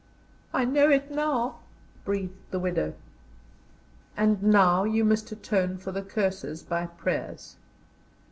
"I know it now," breathed the widow. "And now you must atone for the curses by prayers.